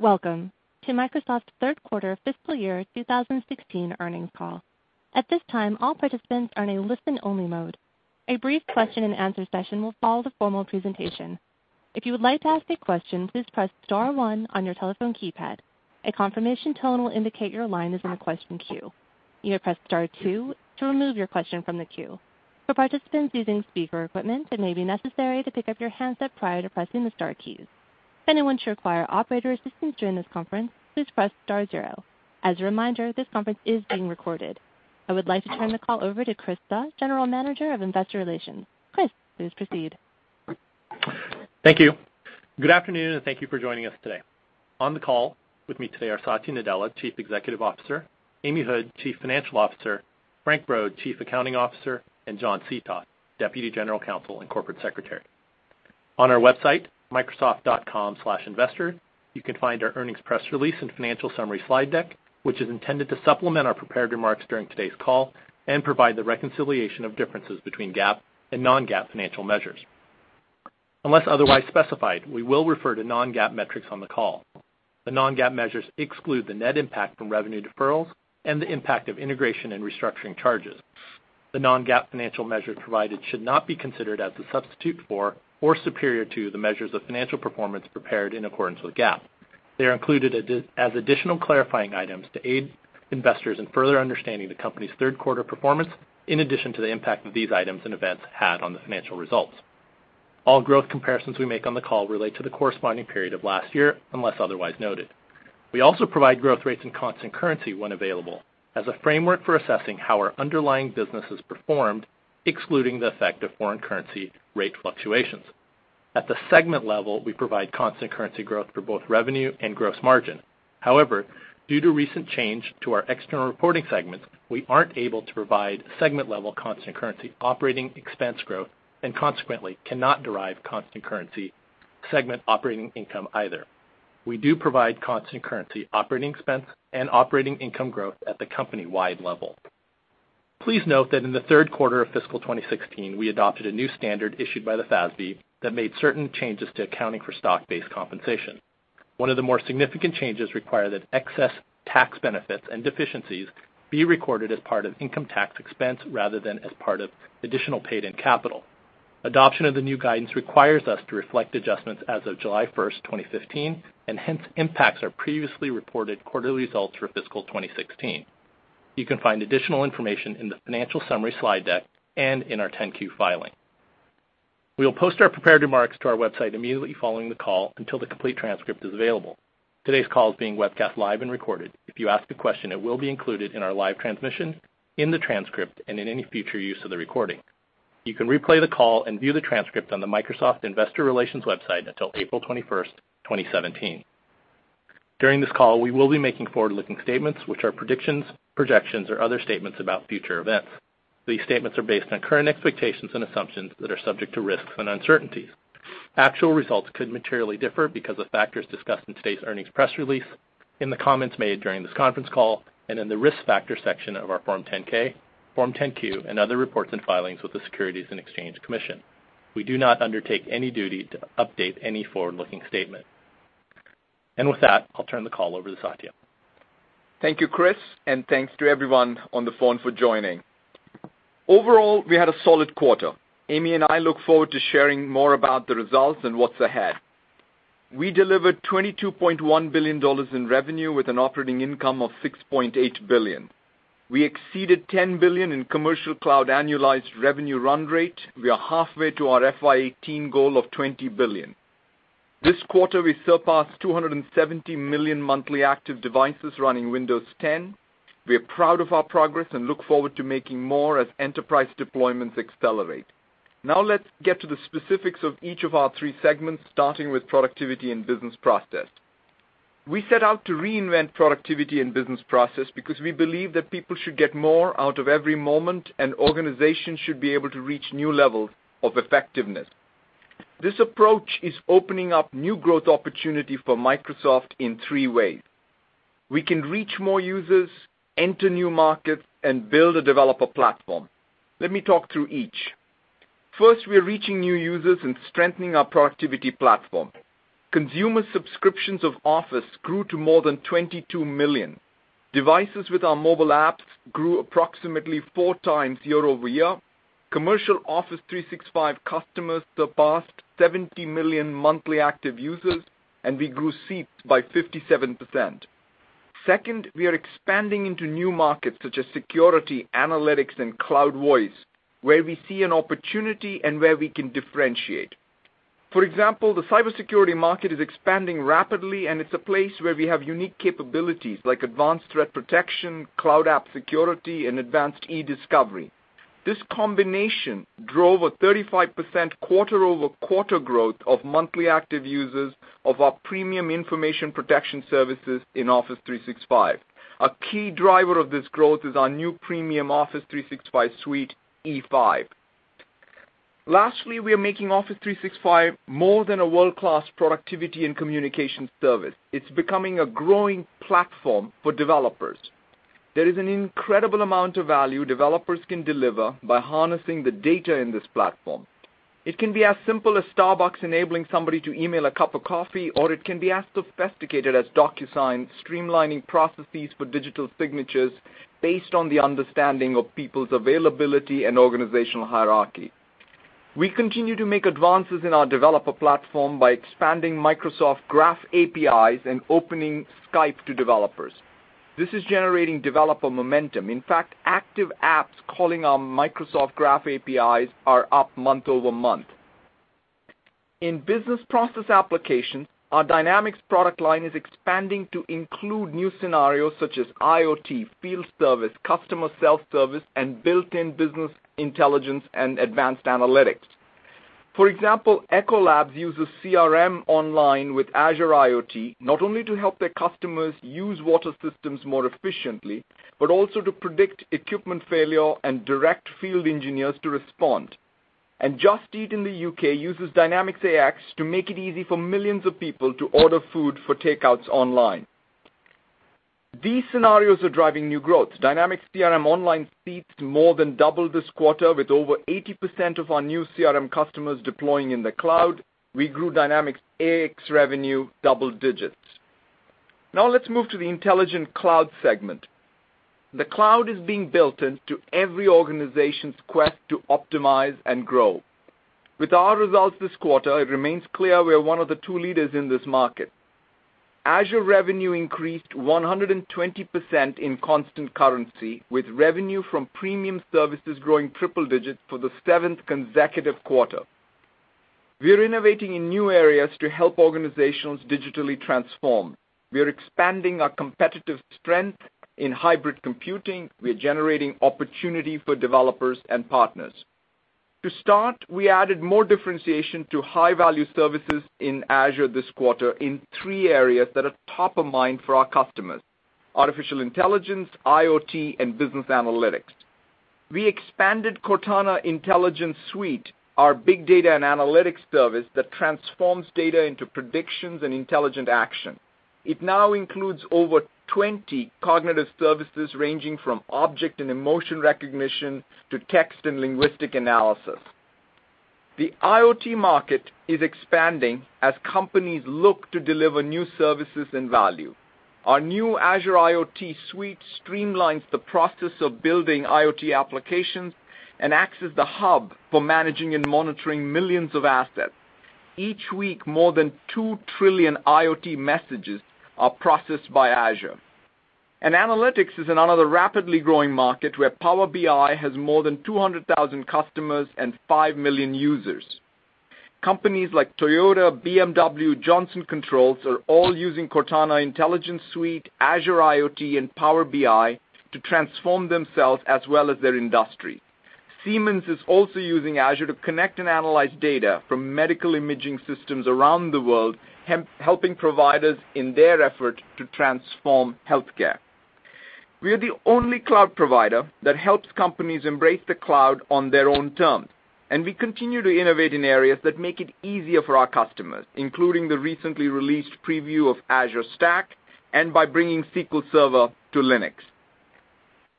Welcome to Microsoft's third quarter fiscal year 2016 earnings call. At this time, all participants are in a listen-only mode. A brief question and answer session will follow the formal presentation. If you would like to ask a question, please press star one on your telephone keypad. A confirmation tone will indicate your line is in the question queue. You may press star two to remove your question from the queue. For participants using speaker equipment, it may be necessary to pick up your handset prior to pressing the star keys. If anyone should require operator assistance during this conference, please press star zero. As a reminder, this conference is being recorded. I would like to turn the call over to Chris Suh, General Manager of Investor Relations. Chris, please proceed. Thank you. Good afternoon. Thank you for joining us today. On the call with me today are Satya Nadella, Chief Executive Officer, Amy Hood, Chief Financial Officer, Frank Brod, Chief Accounting Officer, and John Seethoff, Deputy General Counsel and Corporate Secretary. On our website, microsoft.com/investor, you can find our earnings press release and financial summary slide deck, which is intended to supplement our prepared remarks during today's call and provide the reconciliation of differences between GAAP and non-GAAP financial measures. Unless otherwise specified, we will refer to non-GAAP metrics on the call. The non-GAAP measures exclude the net impact from revenue deferrals and the impact of integration and restructuring charges. The non-GAAP financial measures provided should not be considered as a substitute for or superior to the measures of financial performance prepared in accordance with GAAP. They are included as additional clarifying items to aid investors in further understanding the company's third quarter performance in addition to the impact that these items and events had on the financial results. All growth comparisons we make on the call relate to the corresponding period of last year, unless otherwise noted. We also provide growth rates in constant currency when available, as a framework for assessing how our underlying business has performed, excluding the effect of foreign currency rate fluctuations. At the segment level, we provide constant currency growth for both revenue and gross margin. However, due to recent change to our external reporting segments, we aren't able to provide segment-level constant currency operating expense growth, and consequently, cannot derive constant currency segment operating income either. We do provide constant currency operating expense and operating income growth at the company-wide level. Please note that in the third quarter of fiscal 2016, we adopted a new standard issued by the FASB that made certain changes to accounting for stock-based compensation. One of the more significant changes require that excess tax benefits and deficiencies be recorded as part of income tax expense rather than as part of additional paid-in capital. Adoption of the new guidance requires us to reflect adjustments as of July 1st, 2015, and hence impacts our previously reported quarterly results for fiscal 2016. You can find additional information in the financial summary slide deck and in our 10-Q filing. We will post our prepared remarks to our website immediately following the call until the complete transcript is available. Today's call is being webcast live and recorded. If you ask a question, it will be included in our live transmission, in the transcript, and in any future use of the recording. You can replay the call and view the transcript on the Microsoft Investor Relations website until April 21st, 2017. During this call, we will be making forward-looking statements, which are predictions, projections, or other statements about future events. These statements are based on current expectations and assumptions that are subject to risks and uncertainties. Actual results could materially differ because of factors discussed in today's earnings press release, in the comments made during this conference call, and in the risk factor section of our Form 10-K, Form 10-Q, and other reports and filings with the Securities and Exchange Commission. We do not undertake any duty to update any forward-looking statement. With that, I'll turn the call over to Satya. Thank you, Chris, and thanks to everyone on the phone for joining. Overall, we had a solid quarter. Amy and I look forward to sharing more about the results and what's ahead. We delivered $22.1 billion in revenue with an operating income of $6.8 billion. We exceeded $10 billion in commercial cloud annualized revenue run rate. We are halfway to our FY 2018 goal of $20 billion. This quarter, we surpassed 270 million monthly active devices running Windows 10. We are proud of our progress and look forward to making more as enterprise deployments accelerate. Now let's get to the specifics of each of our three segments, starting with productivity and business process. We set out to reinvent productivity and business process because we believe that people should get more out of every moment, and organizations should be able to reach new levels of effectiveness. This approach is opening up new growth opportunity for Microsoft in three ways. We can reach more users, enter new markets, and build a developer platform. Let me talk through each. First, we are reaching new users and strengthening our productivity platform. Consumer subscriptions of Office grew to more than 22 million. Devices with our mobile apps grew approximately four times year-over-year. Commercial Office 365 customers surpassed 70 million monthly active users, and we grew seats by 57%. Second, we are expanding into new markets such as security, analytics, and cloud voice, where we see an opportunity and where we can differentiate. For example, the cybersecurity market is expanding rapidly, and it's a place where we have unique capabilities like advanced threat protection, cloud app security, and advanced e-discovery. This combination drove a 35% quarter-over-quarter growth of monthly active users of our premium information protection services in Office 365. A key driver of this growth is our new premium Office 365 Suite E5. Lastly, we are making Office 365 more than a world-class productivity and communication service. It's becoming a growing platform for developers. There is an incredible amount of value developers can deliver by harnessing the data in this platform. It can be as simple as Starbucks enabling somebody to email a cup of coffee, or it can be as sophisticated as DocuSign streamlining processes for digital signatures based on the understanding of people's availability and organizational hierarchy. We continue to make advances in our developer platform by expanding Microsoft Graph APIs and opening Skype to developers. This is generating developer momentum. In fact, active apps calling on Microsoft Graph APIs are up month-over-month. In business process applications, our Dynamics product line is expanding to include new scenarios such as IoT, field service, customer self-service, and built-in business intelligence and advanced analytics. For example, Ecolab uses CRM Online with Azure IoT, not only to help their customers use water systems more efficiently, but also to predict equipment failure and direct field engineers to respond. Just Eat in the U.K. uses Dynamics AX to make it easy for millions of people to order food for takeouts online. These scenarios are driving new growth. Dynamics CRM Online seats more than doubled this quarter, with over 80% of our new CRM customers deploying in the cloud. We grew Dynamics AX revenue double digits. Let's move to the Intelligent Cloud segment. The cloud is being built into every organization's quest to optimize and grow. With our results this quarter, it remains clear we are one of the two leaders in this market. Azure revenue increased 120% in constant currency, with revenue from premium services growing triple digits for the seventh consecutive quarter. We're innovating in new areas to help organizations digitally transform. We are expanding our competitive strength in hybrid computing. We are generating opportunity for developers and partners. To start, we added more differentiation to high-value services in Azure this quarter in three areas that are top of mind for our customers: artificial intelligence, IoT, and business analytics. We expanded Cortana Intelligence Suite, our big data and analytics service that transforms data into predictions and intelligent action. It now includes over 20 cognitive services, ranging from object and emotion recognition to text and linguistic analysis. The IoT market is expanding as companies look to deliver new services and value. Our new Azure IoT Suite streamlines the process of building IoT applications and acts as the hub for managing and monitoring millions of assets. Each week, more than two trillion IoT messages are processed by Azure. Analytics is another rapidly growing market where Power BI has more than 200,000 customers and five million users. Companies like Toyota, BMW, Johnson Controls are all using Cortana Intelligence Suite, Azure IoT, and Power BI to transform themselves as well as their industry. Siemens is also using Azure to connect and analyze data from medical imaging systems around the world, helping providers in their effort to transform healthcare. We are the only cloud provider that helps companies embrace the cloud on their own terms, and we continue to innovate in areas that make it easier for our customers, including the recently released preview of Azure Stack and by bringing SQL Server to Linux.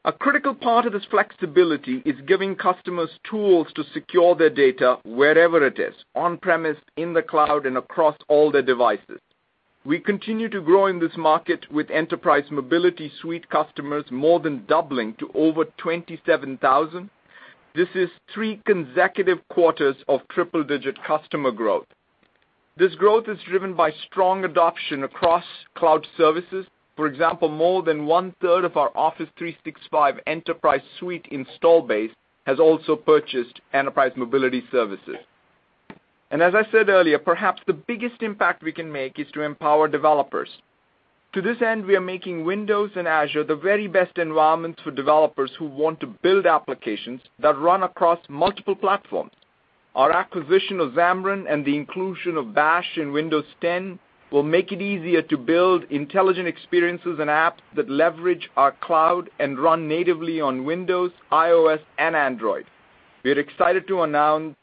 A critical part of this flexibility is giving customers tools to secure their data wherever it is, on-premises, in the cloud, and across all their devices. We continue to grow in this market with Enterprise Mobility Suite customers more than doubling to over 27,000. This is three consecutive quarters of triple-digit customer growth. This growth is driven by strong adoption across cloud services. For example, more than one-third of our Office 365 Enterprise Suite install base has also purchased Enterprise Mobility services. As I said earlier, perhaps the biggest impact we can make is to empower developers. To this end, we are making Windows and Azure the very best environments for developers who want to build applications that run across multiple platforms. Our acquisition of Xamarin and the inclusion of Bash in Windows 10 will make it easier to build intelligent experiences and apps that leverage our cloud and run natively on Windows, iOS, and Android. We are excited to announce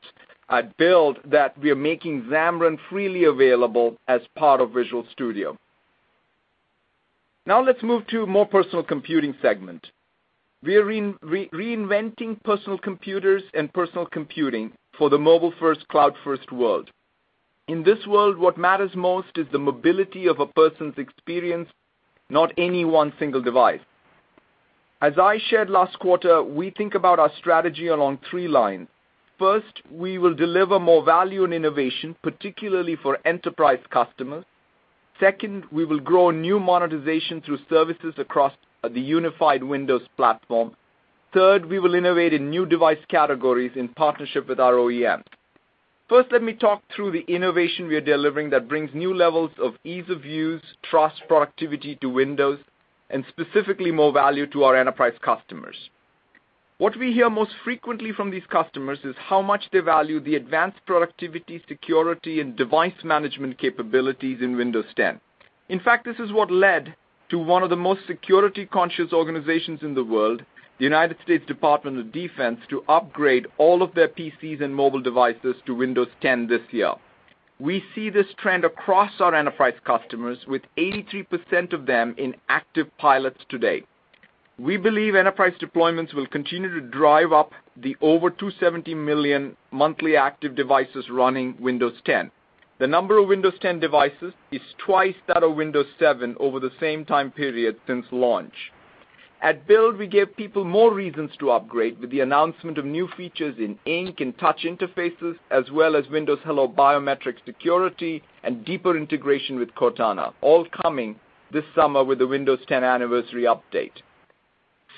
at Build that we are making Xamarin freely available as part of Visual Studio. Let's move to more personal computing segment. We are reinventing personal computers and personal computing for the mobile-first, cloud-first world. In this world, what matters most is the mobility of a person's experience, not any one single device. As I shared last quarter, we think about our strategy along three lines. First, we will deliver more value and innovation, particularly for enterprise customers. Second, we will grow new monetization through services across the unified Windows platform. Third, we will innovate in new device categories in partnership with our OEMs. Let me talk through the innovation we are delivering that brings new levels of ease of use, trust, productivity to Windows, and specifically more value to our enterprise customers. What we hear most frequently from these customers is how much they value the advanced productivity, security, and device management capabilities in Windows 10. In fact, this is what led to one of the most security-conscious organizations in the world, the United States Department of Defense, to upgrade all of their PCs and mobile devices to Windows 10 this year. We see this trend across our enterprise customers, with 83% of them in active pilots today. We believe enterprise deployments will continue to drive up the over 270 million monthly active devices running Windows 10. The number of Windows 10 devices is twice that of Windows 7 over the same time period since launch. At Build, we gave people more reasons to upgrade with the announcement of new features in Ink and touch interfaces, as well as Windows Hello biometric security, and deeper integration with Cortana, all coming this summer with the Windows 10 anniversary update.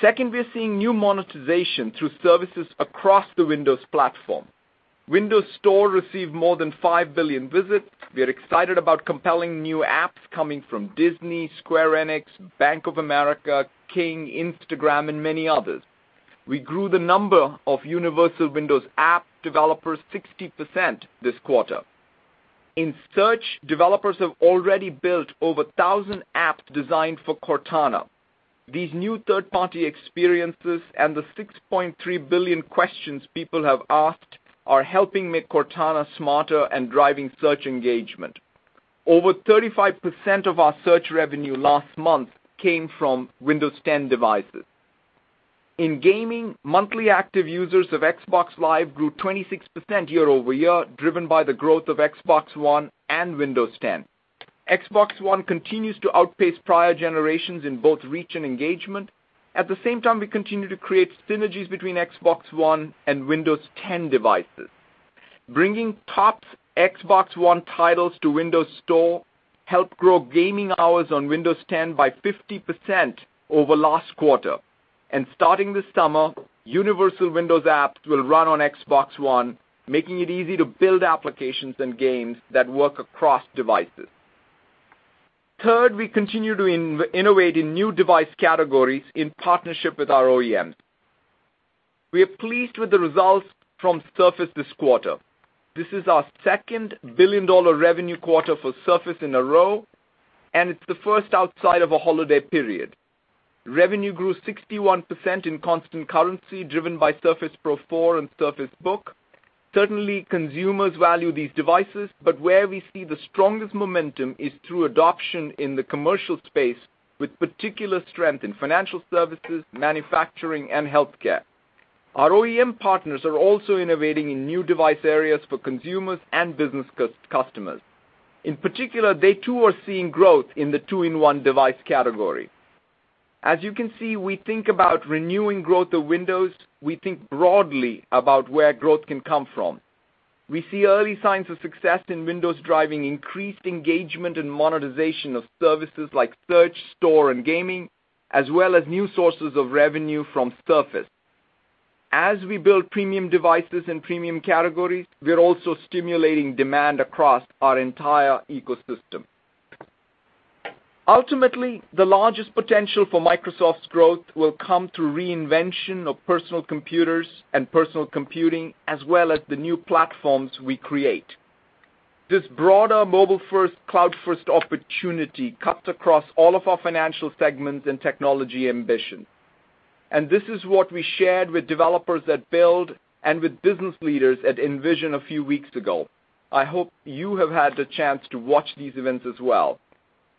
We are seeing new monetization through services across the Windows platform. Windows Store received more than 5 billion visits. We are excited about compelling new apps coming from Disney, Square Enix, Bank of America, King, Instagram, and many others. We grew the number of universal Windows app developers 60% this quarter. In Search, developers have already built over 1,000 apps designed for Cortana. These new third-party experiences and the 6.3 billion questions people have asked are helping make Cortana smarter and driving Search engagement. Over 35% of our Search revenue last month came from Windows 10 devices. In gaming, monthly active users of Xbox Live grew 26% year-over-year, driven by the growth of Xbox One and Windows 10. Xbox One continues to outpace prior generations in both reach and engagement. At the same time, we continue to create synergies between Xbox One and Windows 10 devices. Bringing top Xbox One titles to Windows Store helped grow gaming hours on Windows 10 by 50% over last quarter. Starting this summer, universal Windows apps will run on Xbox One, making it easy to build applications and games that work across devices. We continue to innovate in new device categories in partnership with our OEMs. We are pleased with the results from Surface this quarter. This is our second billion-dollar revenue quarter for Surface in a row, and it is the first outside of a holiday period. Revenue grew 61% in constant currency, driven by Surface Pro 4 and Surface Book. Certainly, consumers value these devices, but where we see the strongest momentum is through adoption in the commercial space, with particular strength in financial services, manufacturing, and healthcare. Our OEM partners are also innovating in new device areas for consumers and business customers. In particular, they too are seeing growth in the two-in-one device category. As you can see, we think about renewing growth of Windows, we think broadly about where growth can come from. We see early signs of success in Windows driving increased engagement and monetization of services like Search, Store, and Gaming, as well as new sources of revenue from Surface. As we build premium devices and premium categories, we're also stimulating demand across our entire ecosystem. Ultimately, the largest potential for Microsoft's growth will come through reinvention of personal computers and personal computing, as well as the new platforms we create. This broader mobile-first, cloud-first opportunity cuts across all of our financial segments and technology ambition. This is what we shared with developers at Build and with business leaders at Envision a few weeks ago. I hope you have had the chance to watch these events as well.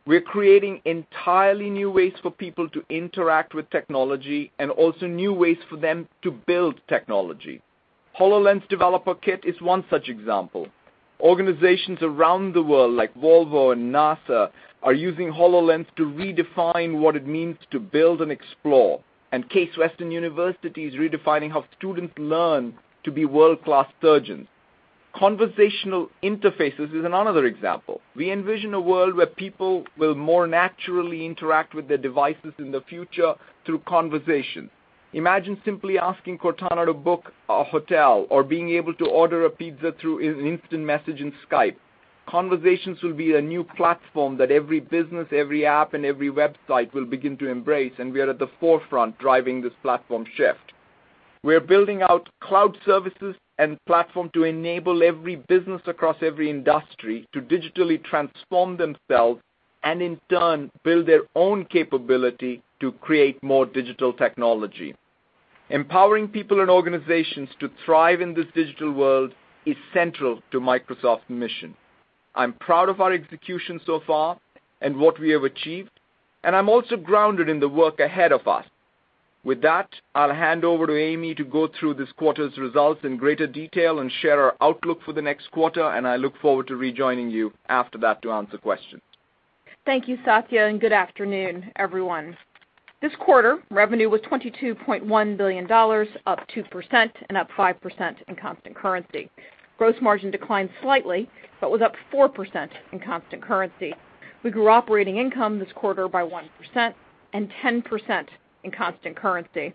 We're creating entirely new ways for people to interact with technology and also new ways for them to build technology. HoloLens developer kit is one such example. Organizations around the world, like Volvo and NASA, are using HoloLens to redefine what it means to build and explore. Case Western University is redefining how students learn to be world-class surgeons. Conversational interfaces is another example. We envision a world where people will more naturally interact with their devices in the future through conversation. Imagine simply asking Cortana to book a hotel or being able to order a pizza through an instant message in Skype. Conversations will be a new platform that every business, every app, and every website will begin to embrace, and we are at the forefront driving this platform shift. We are building out cloud services and platform to enable every business across every industry to digitally transform themselves, and in turn, build their own capability to create more digital technology. Empowering people and organizations to thrive in this digital world is central to Microsoft's mission. I'm proud of our execution so far and what we have achieved, and I'm also grounded in the work ahead of us. With that, I'll hand over to Amy to go through this quarter's results in greater detail and share our outlook for the next quarter, and I look forward to rejoining you after that to answer questions. Thank you, Satya, and good afternoon, everyone. This quarter, revenue was $22.1 billion, up 2% and up 5% in constant currency. Gross margin declined slightly but was up 4% in constant currency. We grew operating income this quarter by 1% and 10% in constant currency.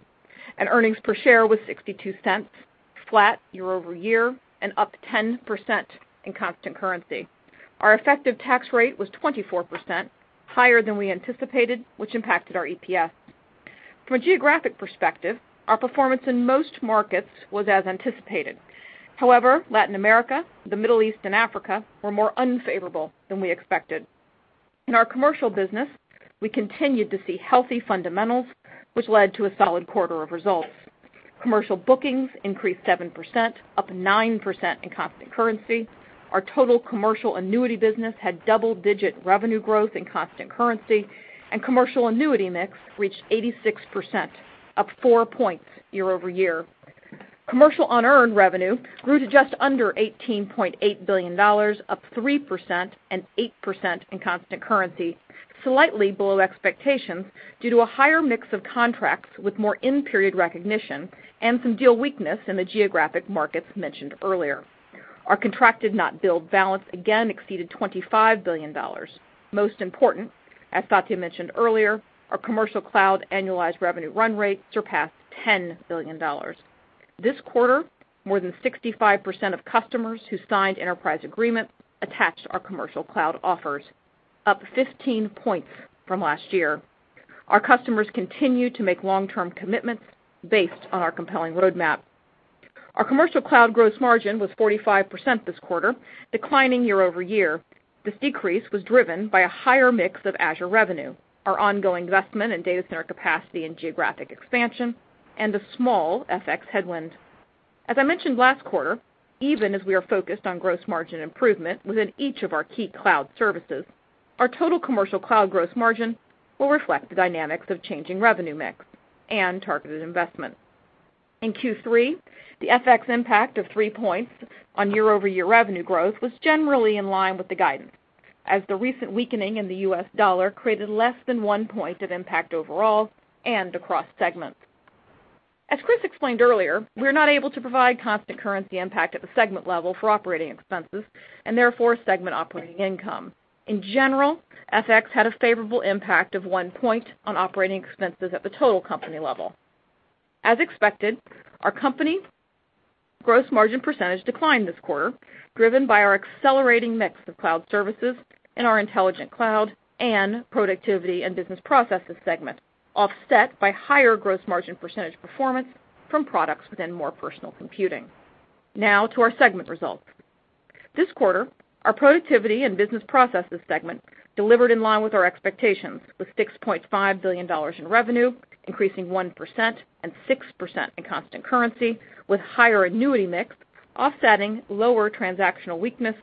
Earnings per share was $0.62, flat year-over-year, and up 10% in constant currency. Our effective tax rate was 24%, higher than we anticipated, which impacted our EPS. From a geographic perspective, our performance in most markets was as anticipated. However, Latin America, the Middle East, and Africa were more unfavorable than we expected. In our commercial business, we continued to see healthy fundamentals, which led to a solid quarter of results. Commercial bookings increased 7%, up 9% in constant currency. Our total commercial annuity business had double-digit revenue growth in constant currency. Commercial annuity mix reached 86%, up four points year-over-year. Commercial unearned revenue grew to just under $18.8 billion, up 3% and 8% in constant currency, slightly below expectations due to a higher mix of contracts with more in-period recognition and some deal weakness in the geographic markets mentioned earlier. Our contracted not billed balance again exceeded $25 billion. Most important, as Satya mentioned earlier, our commercial cloud annualized revenue run rate surpassed $10 billion. This quarter, more than 65% of customers who signed enterprise agreements attached our commercial cloud offers, up 15 points from last year. Our customers continue to make long-term commitments based on our compelling roadmap. Our commercial cloud gross margin was 45% this quarter, declining year-over-year. This decrease was driven by a higher mix of Azure revenue, our ongoing investment in data center capacity and geographic expansion, and a small FX headwind. As I mentioned last quarter, even as we are focused on gross margin improvement within each of our key cloud services, our total commercial cloud gross margin will reflect the dynamics of changing revenue mix and targeted investment. In Q3, the FX impact of three points on year-over-year revenue growth was generally in line with the guidance, as the recent weakening in the US dollar created less than one point of impact overall and across segments. As Chris explained earlier, we are not able to provide constant currency impact at the segment level for operating expenses, and therefore segment operating income. In general, FX had a favorable impact of one point on operating expenses at the total company level. As expected, our company gross margin percentage declined this quarter, driven by our accelerating mix of cloud services in our Intelligent Cloud and Productivity and Business Processes segment, offset by higher gross margin percentage performance from products within more personal computing. Now to our segment results. This quarter, our Productivity and Business Processes segment delivered in line with our expectations with $6.5 billion in revenue, increasing 1% and 6% in constant currency, with higher annuity mix offsetting lower transactional weakness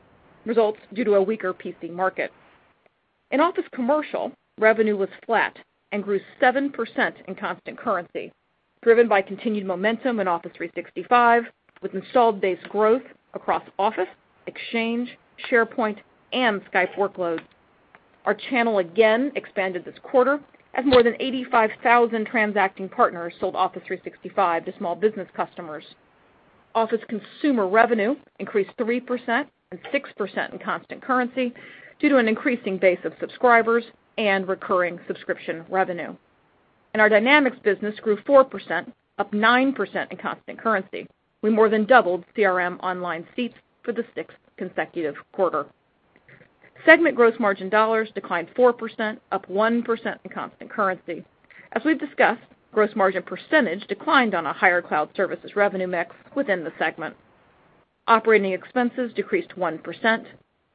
results due to a weaker PC market. In Office Commercial, revenue was flat and grew 7% in constant currency, driven by continued momentum in Office 365 with installed base growth across Office, Exchange, SharePoint, and Skype workloads. Our channel again expanded this quarter as more than 85,000 transacting partners sold Office 365 to small business customers. Office Consumer revenue increased 3% and 6% in constant currency due to an increasing base of subscribers and recurring subscription revenue. Our Dynamics business grew 4%, up 9% in constant currency. We more than doubled Dynamics CRM Online seats for the sixth consecutive quarter. Segment gross margin dollars declined 4%, up 1% in constant currency. As we've discussed, gross margin percentage declined on a higher cloud services revenue mix within the segment. Operating expenses decreased 1%,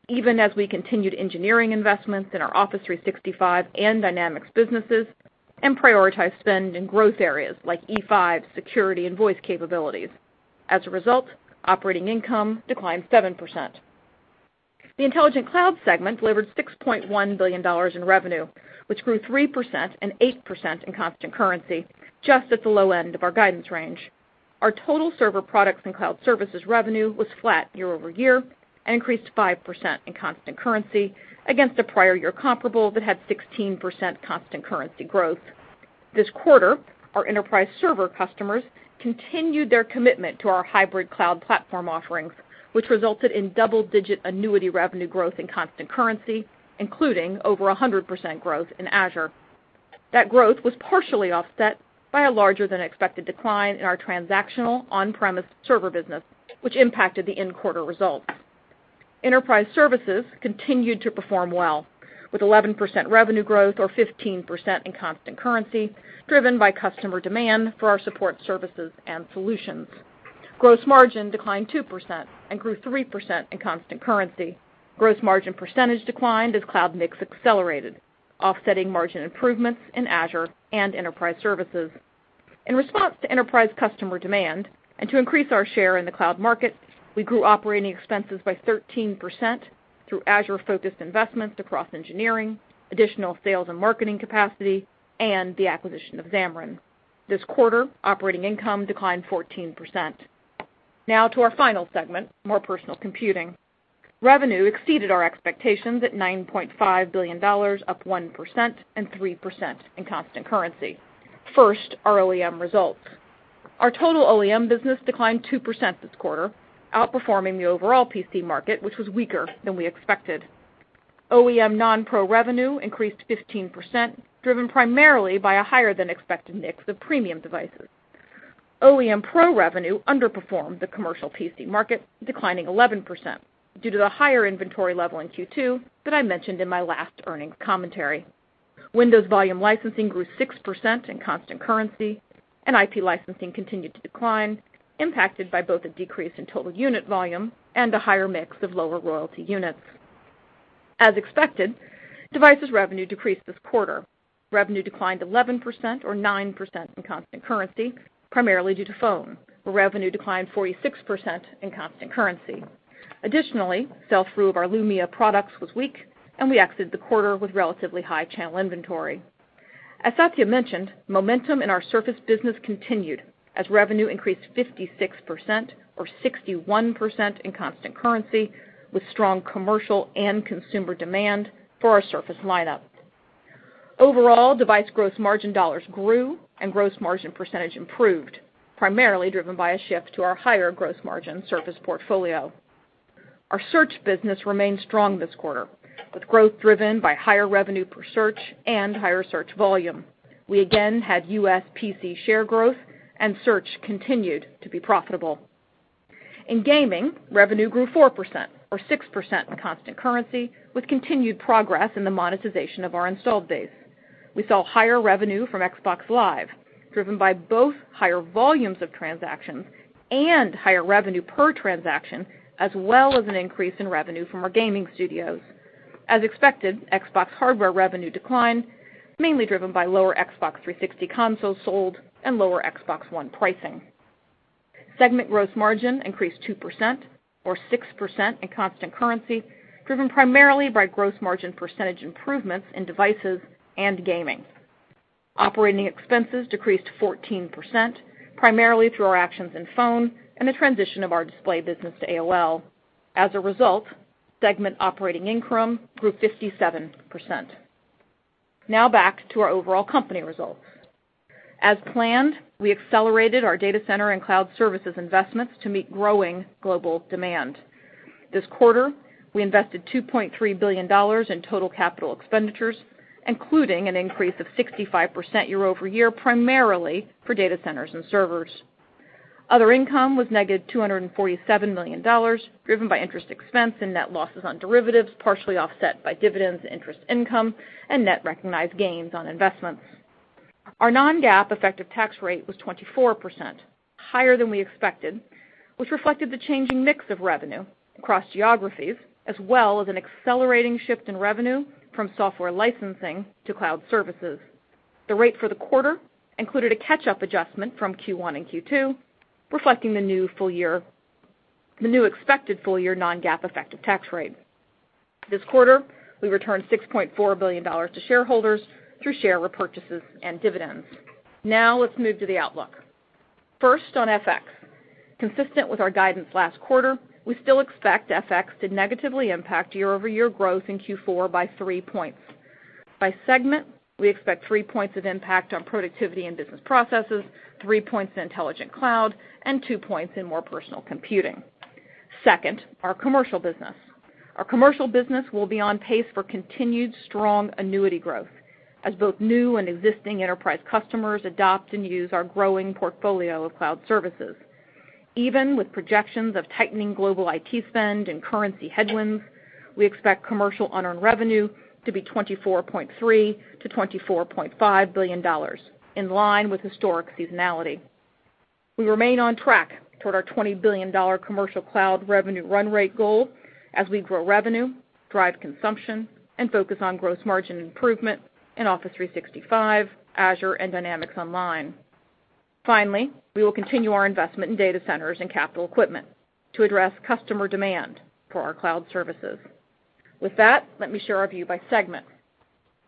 even as we continued engineering investments in our Office 365 and Dynamics businesses and prioritized spend in growth areas like E5 security and voice capabilities. As a result, operating income declined 7%. The Intelligent Cloud segment delivered $6.1 billion in revenue, which grew 3% and 8% in constant currency, just at the low end of our guidance range. Our total server products and cloud services revenue was flat year-over-year and increased 5% in constant currency against a prior year comparable that had 16% constant currency growth. This quarter, our enterprise server customers continued their commitment to our hybrid cloud platform offerings, which resulted in double-digit annuity revenue growth in constant currency, including over 100% growth in Azure. That growth was partially offset by a larger than expected decline in our transactional on-premise server business, which impacted the in-quarter results. Enterprise services continued to perform well, with 11% revenue growth or 15% in constant currency, driven by customer demand for our support services and solutions. Gross margin declined 2% and grew 3% in constant currency. Gross margin percentage declined as cloud mix accelerated, offsetting margin improvements in Azure and enterprise services. In response to enterprise customer demand and to increase our share in the cloud market, we grew operating expenses by 13% through Azure-focused investments across engineering, additional sales and marketing capacity, and the acquisition of Xamarin. This quarter, operating income declined 14%. To our final segment, More Personal Computing. Revenue exceeded our expectations at $9.5 billion, up 1% and 3% in constant currency. First, our OEM results. Our total OEM business declined 2% this quarter, outperforming the overall PC market, which was weaker than we expected. OEM non-Pro revenue increased 15%, driven primarily by a higher than expected mix of premium devices. OEM Pro revenue underperformed the commercial PC market, declining 11% due to the higher inventory level in Q2 that I mentioned in my last earnings commentary. Windows volume licensing grew 6% in constant currency, IP licensing continued to decline, impacted by both a decrease in total unit volume and a higher mix of lower royalty units. As expected, devices revenue decreased this quarter. Revenue declined 11%, or 9% in constant currency, primarily due to phone, where revenue declined 46% in constant currency. Additionally, sell-through of our Lumia products was weak, and we exited the quarter with relatively high channel inventory. As Satya mentioned, momentum in our Surface business continued as revenue increased 56%, or 61% in constant currency, with strong commercial and consumer demand for our Surface lineup. Overall, device gross margin dollars grew and gross margin percentage improved, primarily driven by a shift to our higher gross margin Surface portfolio. Our search business remained strong this quarter, with growth driven by higher revenue per search and higher search volume. We again had U.S. PC share growth and search continued to be profitable. In gaming, revenue grew 4%, or 6% in constant currency, with continued progress in the monetization of our installed base. We saw higher revenue from Xbox Live, driven by both higher volumes of transactions and higher revenue per transaction, as well as an increase in revenue from our gaming studios. As expected, Xbox hardware revenue declined, mainly driven by lower Xbox 360 consoles sold and lower Xbox One pricing. Segment gross margin increased 2%, or 6% in constant currency, driven primarily by gross margin percentage improvements in devices and gaming. Operating expenses decreased 14%, primarily through our actions in phone and the transition of our display business to AOL. As a result, segment operating income grew 57%. Now back to our overall company results. As planned, we accelerated our data center and cloud services investments to meet growing global demand. This quarter, we invested $2.3 billion in total capital expenditures, including an increase of 65% year-over-year, primarily for data centers and servers. Other income was negative $247 million, driven by interest expense and net losses on derivatives, partially offset by dividends and interest income and net recognized gains on investments. Our non-GAAP effective tax rate was 24%, higher than we expected, which reflected the changing mix of revenue across geographies, as well as an accelerating shift in revenue from software licensing to cloud services. The rate for the quarter included a catch-up adjustment from Q1 and Q2, reflecting the new expected full-year non-GAAP effective tax rate. This quarter, we returned $6.4 billion to shareholders through share repurchases and dividends. Now let's move to the outlook. First on FX. Consistent with our guidance last quarter, we still expect FX to negatively impact year-over-year growth in Q4 by three points. By segment, we expect three points of impact on Productivity and Business Processes, three points in Intelligent Cloud, and two points in More Personal Computing. Second, our commercial business. Our commercial business will be on pace for continued strong annuity growth as both new and existing enterprise customers adopt and use our growing portfolio of cloud services. Even with projections of tightening global IT spend and currency headwinds, we expect commercial unearned revenue to be $24.3 billion-$24.5 billion, in line with historic seasonality. We remain on track toward our $20 billion commercial cloud revenue run rate goal as we grow revenue, drive consumption, and focus on gross margin improvement in Office 365, Azure, and Dynamics Online. Finally, we will continue our investment in data centers and capital equipment to address customer demand for our cloud services. With that, let me share our view by segment.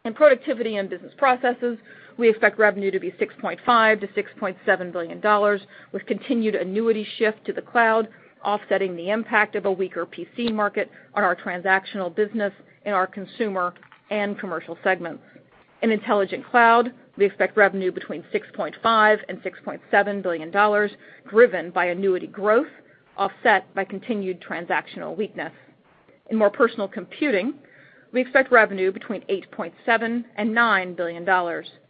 In Productivity and Business Processes, we expect revenue to be $6.5 billion-$6.7 billion, with continued annuity shift to the cloud offsetting the impact of a weaker PC market on our transactional business in our consumer and commercial segments. In Intelligent Cloud, we expect revenue between $6.5 billion and $6.7 billion, driven by annuity growth offset by continued transactional weakness. In More Personal Computing, we expect revenue between $8.7 billion and $9 billion.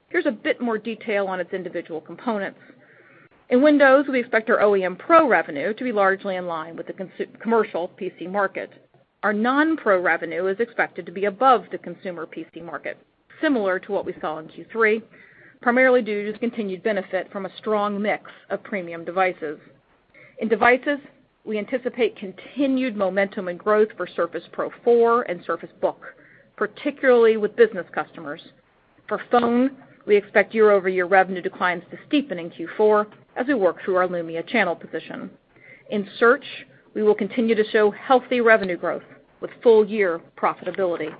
Here's a bit more detail on its individual components. In Windows, we expect our OEM Pro revenue to be largely in line with the commercial PC market. Our non-Pro revenue is expected to be above the consumer PC market, similar to what we saw in Q3, primarily due to continued benefit from a strong mix of premium devices. In Devices, we anticipate continued momentum and growth for Surface Pro 4 and Surface Book, particularly with business customers. For Phone, we expect year-over-year revenue declines to steepen in Q4 as we work through our Lumia channel position. In Search, we will continue to show healthy revenue growth with full-year profitability.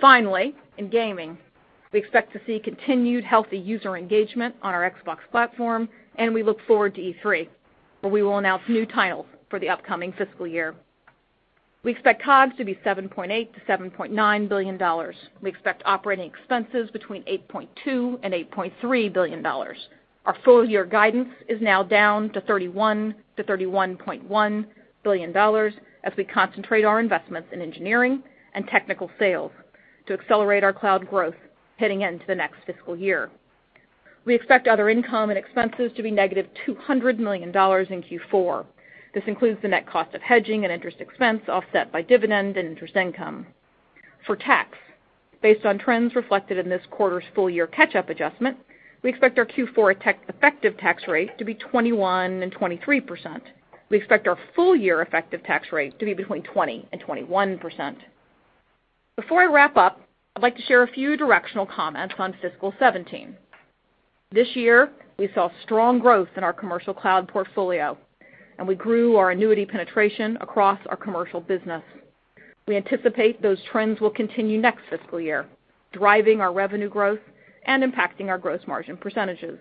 Finally, in gaming, we expect to see continued healthy user engagement on our Xbox platform, and we look forward to E3, where we will announce new titles for the upcoming fiscal year. We expect COGS to be $7.8 billion-$7.9 billion. We expect operating expenses between $8.2 billion and $8.3 billion. Our full-year guidance is now down to $31 billion-$31.1 billion as we concentrate our investments in engineering and technical sales to accelerate our cloud growth heading into the next fiscal year. We expect other income and expenses to be negative $200 million in Q4. This includes the net cost of hedging and interest expense, offset by dividend and interest income. For tax, based on trends reflected in this quarter's full year catch-up adjustment, we expect our Q4 effective tax rate to be 21%-23%. We expect our full-year effective tax rate to be between 20% and 21%. Before I wrap up, I'd like to share a few directional comments on fiscal 2017. This year, we saw strong growth in our commercial cloud portfolio, and we grew our annuity penetration across our commercial business. We anticipate those trends will continue next fiscal year, driving our revenue growth and impacting our gross margin percentages.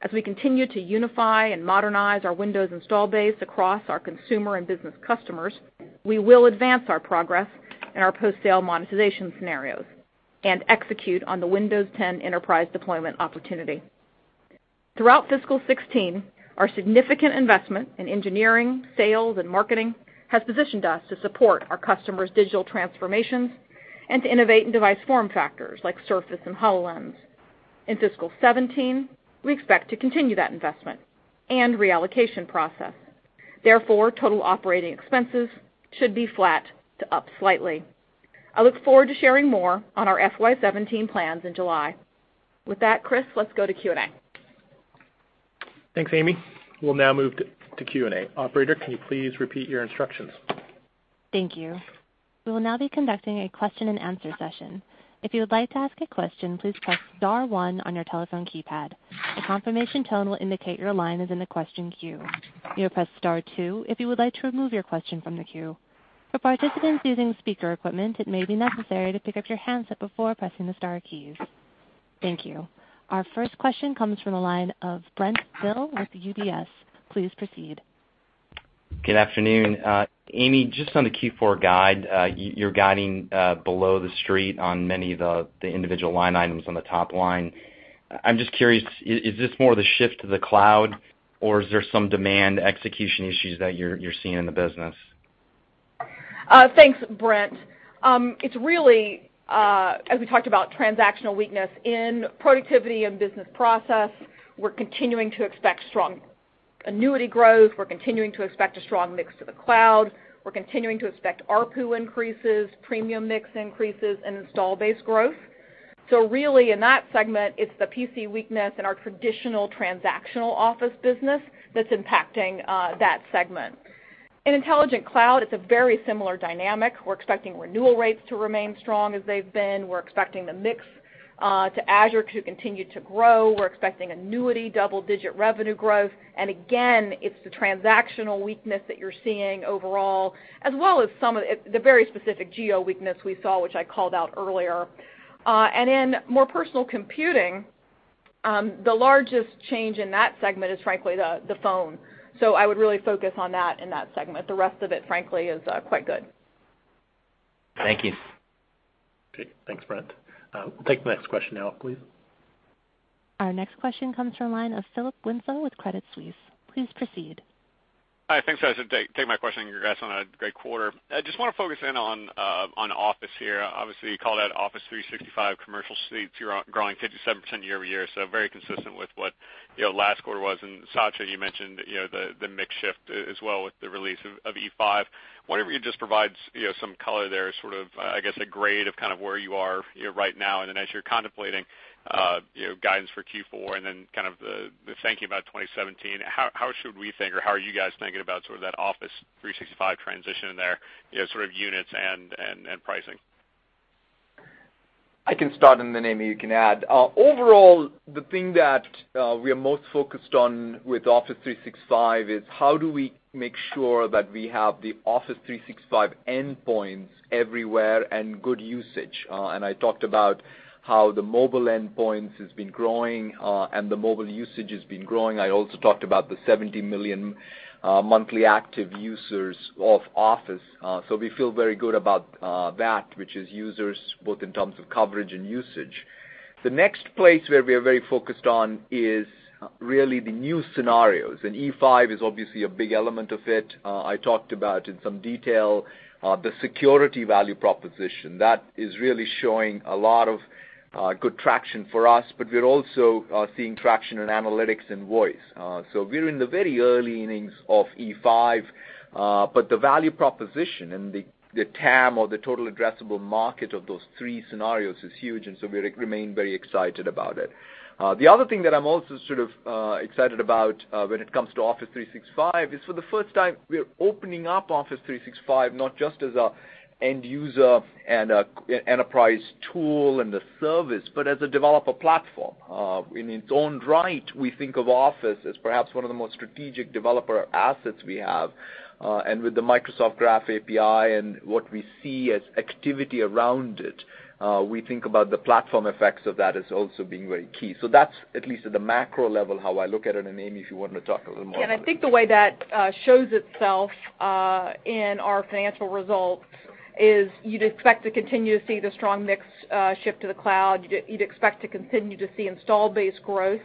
As we continue to unify and modernize our Windows install base across our consumer and business customers, we will advance our progress in our post-sale monetization scenarios and execute on the Windows 10 enterprise deployment opportunity. Throughout fiscal 2016, our significant investment in engineering, sales, and marketing has positioned us to support our customers' digital transformations and to innovate in device form factors like Surface and HoloLens. In fiscal 2017, we expect to continue that investment and reallocation process. Therefore, total operating expenses should be flat to up slightly. I look forward to sharing more on our FY 2017 plans in July. With that, Chris, let's go to Q&A. Thanks, Amy. We'll now move to Q&A. Operator, can you please repeat your instructions? Thank you. We will now be conducting a question and answer session. If you would like to ask a question, please press star 1 on your telephone keypad. A confirmation tone will indicate your line is in the question queue. You may press star 2 if you would like to remove your question from the queue. For participants using speaker equipment, it may be necessary to pick up your handset before pressing the star keys. Thank you. Our first question comes from the line of Brent Thill with UBS. Please proceed. Good afternoon. Amy, just on the Q4 guide, you're guiding below the street on many of the individual line items on the top line. I'm just curious, is this more the shift to the cloud, or is there some demand execution issues that you're seeing in the business? Thanks, Brent. It's really, as we talked about, transactional weakness in Productivity and Business Processes. We're continuing to expect strong annuity growth. We're continuing to expect a strong mix to the cloud. We're continuing to expect ARPU increases, premium mix increases, and install base growth. Really, in that segment, it's the PC weakness in our traditional transactional Office business that's impacting that segment. In Intelligent Cloud, it's a very similar dynamic. We're expecting renewal rates to remain strong as they've been. We're expecting the mix to Azure to continue to grow. We're expecting annuity double-digit revenue growth. Again, it's the transactional weakness that you're seeing overall, as well as the very specific geo-weakness we saw, which I called out earlier. In More Personal Computing, the largest change in that segment is frankly, the phone. I would really focus on that in that segment. The rest of it, frankly, is quite good. Thank you. Okay, thanks, Brent. We'll take the next question now, please. Our next question comes from the line of Phil Winslow with Credit Suisse. Please proceed. Hi, thanks, guys. Thanks for taking my question. Congrats on a great quarter. I just want to focus in on Office here. Obviously, you called out Office 365 commercial seats, you're growing 57% year-over-year, so very consistent with what last quarter was. Satya, you mentioned the mix shift as well with the release of E5. Wondering if you can just provide some color there, I guess, a grade of where you are right now. As you're contemplating guidance for Q4 and then the thinking about 2017, how should we think or how are you guys thinking about that Office 365 transition there, sort of units and pricing? I can start and then, Amy, you can add. Overall, the thing that we are most focused on with Office 365 is how do we make sure that we have the Office 365 endpoints everywhere and good usage. I talked about how the mobile endpoints has been growing and the mobile usage has been growing. I also talked about the 70 million monthly active users of Office. We feel very good about that, which is users both in terms of coverage and usage. The next place where we are very focused on is really the new scenarios, E5 is obviously a big element of it. I talked about in some detail the security value proposition. That is really showing a lot of good traction for us, but we're also seeing traction in analytics and voice. We're in the very early innings of E5, but the value proposition and the TAM, or the total addressable market, of those three scenarios is huge, we remain very excited about it. The other thing that I'm also sort of excited about when it comes to Office 365 is for the first time, we are opening up Office 365 not just as a end user and a enterprise tool and a service, but as a developer platform. In its own right, we think of Office as perhaps one of the most strategic developer assets we have. With the Microsoft Graph API and what we see as activity around it, we think about the platform effects of that as also being very key. That's at least at the macro level, how I look at it, Amy, if you want to talk a little more about it. Yeah, I think the way that shows itself in our financial results is you'd expect to continue to see the strong mix shift to the cloud. You'd expect to continue to see install base growth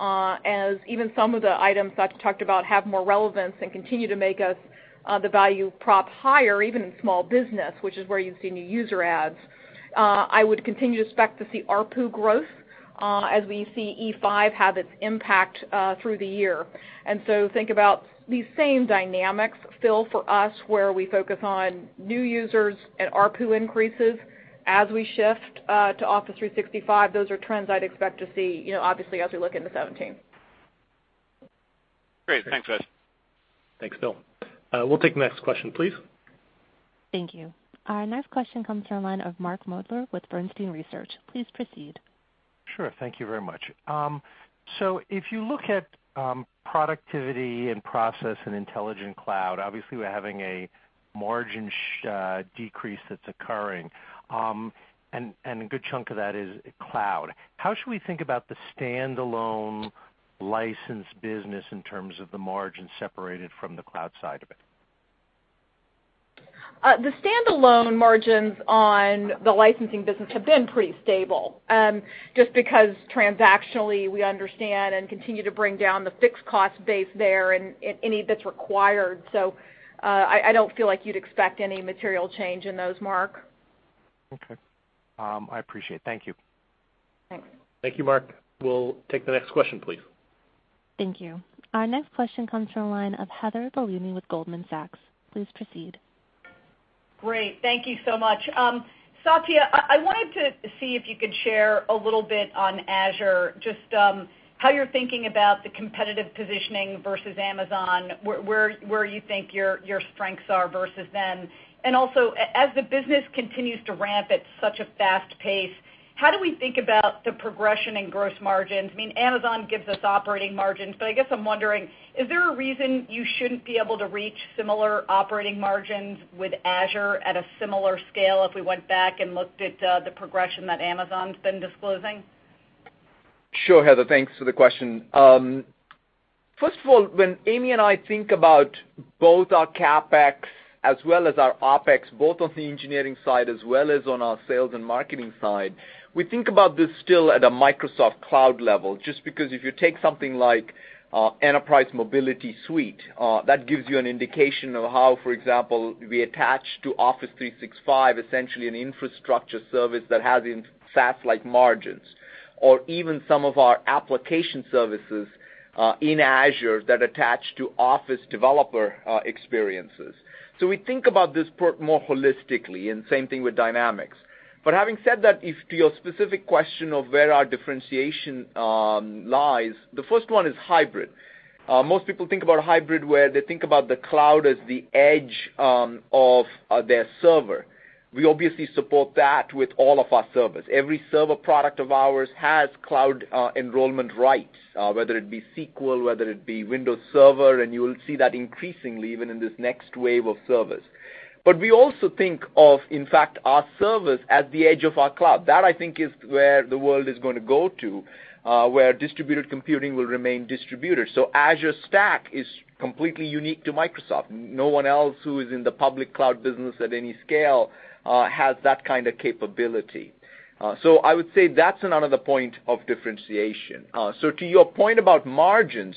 As even some of the items Satya talked about have more relevance and continue to make us the value prop higher, even in small business, which is where you've seen new user adds. I would continue to expect to see ARPU growth as we see E5 have its impact through the year. Think about these same dynamics, Phil, for us, where we focus on new users and ARPU increases as we shift to Office 365. Those are trends I'd expect to see, obviously, as we look into 2017. Great. Thanks, guys. Thanks, Phil. We'll take the next question, please. Thank you. Our next question comes from the line of Mark Moerdler with Bernstein Research. Please proceed. Thank you very much. If you look at Productivity and Process in Intelligent Cloud, obviously, we're having a margin decrease that's occurring. A good chunk of that is cloud. How should we think about the standalone license business in terms of the margin separated from the cloud side of it? The standalone margins on the licensing business have been pretty stable. Just because transactionally, we understand and continue to bring down the fixed cost base there and any that's required. I don't feel like you'd expect any material change in those, Mark. Okay. I appreciate it. Thank you. Thanks. Thank you, Mark. We'll take the next question, please. Thank you. Our next question comes from the line of Heather Bellini with Goldman Sachs. Please proceed. Great. Thank you so much. Satya, I wanted to see if you could share a little bit on Azure, just how you're thinking about the competitive positioning versus Amazon, where you think your strengths are versus them. Also, as the business continues to ramp at such a fast pace, how do we think about the progression in gross margins? Amazon gives us operating margins, I guess I'm wondering, is there a reason you shouldn't be able to reach similar operating margins with Azure at a similar scale if we went back and looked at the progression that Amazon's been disclosing? Sure, Heather. Thanks for the question. First of all, when Amy and I think about both our CapEx as well as our OpEx, both on the engineering side as well as on our sales and marketing side, we think about this still at a Microsoft cloud level. Just because if you take something like Enterprise Mobility Suite, that gives you an indication of how, for example, we attach to Office 365, essentially an infrastructure service that has in SaaS-like margins. Even some of our application services in Azure that attach to Office developer experiences. We think about this more holistically, and same thing with Dynamics. Having said that, to your specific question of where our differentiation lies, the first one is hybrid. Most people think about hybrid where they think about the cloud as the edge of their server. We obviously support that with all of our servers. Every server product of ours has cloud enrollment rights, whether it be SQL, whether it be Windows Server, and you will see that increasingly even in this next wave of servers. We also think of, in fact, our servers at the edge of our cloud. That I think is where the world is going to go to, where distributed computing will remain distributed. Azure Stack is completely unique to Microsoft. No one else who is in the public cloud business at any scale has that kind of capability. I would say that's another point of differentiation. To your point about margins,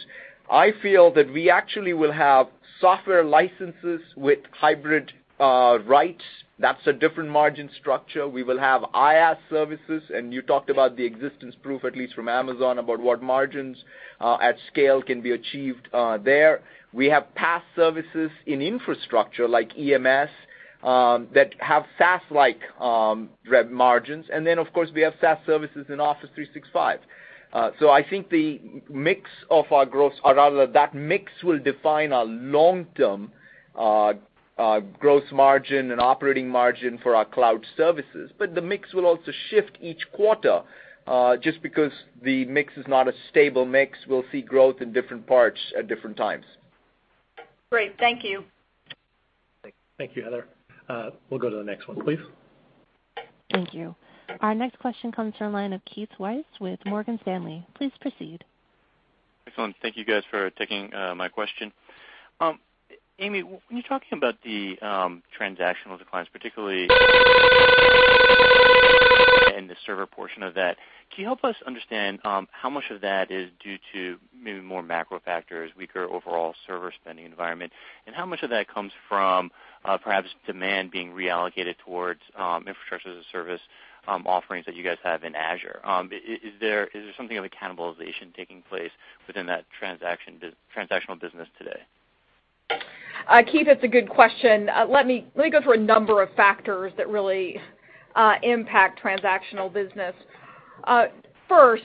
I feel that we actually will have software licenses with hybrid rights. That's a different margin structure. We will have IaaS services, you talked about the existence proof, at least from Amazon, about what margins at scale can be achieved there. We have PaaS services in infrastructure like EMS that have SaaS-like margins, of course we have SaaS services in Office 365. I think that mix will define our long-term gross margin and operating margin for our cloud services. The mix will also shift each quarter, just because the mix is not a stable mix. We'll see growth in different parts at different times. Great. Thank you. Thank you, Heather. We'll go to the next one, please. Thank you. Our next question comes from the line of Keith Weiss with Morgan Stanley. Please proceed. Excellent. Thank you guys for taking my question. Amy, when you're talking about the transactional declines, particularly in the server portion of that, can you help us understand how much of that is due to maybe more macro factors, weaker overall server spending environment? How much of that comes from perhaps demand being reallocated towards infrastructure as a service offerings that you guys have in Azure? Is there something of a cannibalization taking place within that transactional business today? Keith, it's a good question. Let me go through a number of factors that really impact transactional business. First,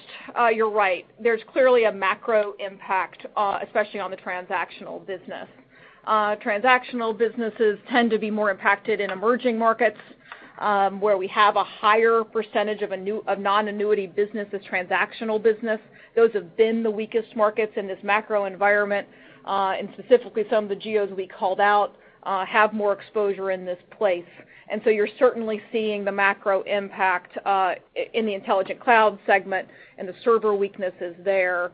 you're right. There's clearly a macro impact, especially on the transactional business. Transactional businesses tend to be more impacted in emerging markets, where we have a higher percentage of non-annuity business as transactional business. Those have been the weakest markets in this macro environment. Specifically, some of the geos we called out have more exposure in this place. You're certainly seeing the macro impact in the Intelligent Cloud segment and the server weaknesses there.